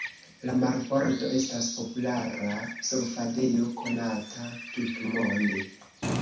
La marbordo estas populara surfadejo konata tutmonde.